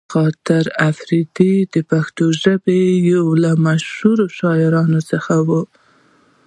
خاطر اپريدی د پښتو ژبې يو له مشهورو شاعرانو څخه دې.